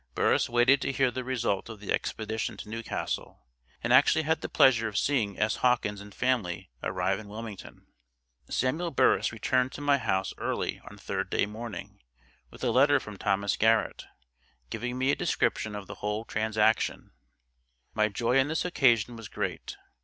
Burris waited to hear the result of the expedition to New Castle; and actually had the pleasure of seeing S. Hawkins and family arrive in Wilmington. Samuel Burris returned to my house early on Third day morning, with a letter from Thomas Garrett, giving me a description of the whole transaction. My joy on this occasion was great!